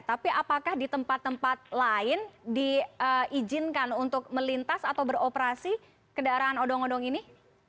tapi apakah di tempat tempat lain diizinkan untuk melintas atau beroperasi kendaraan odong odong ini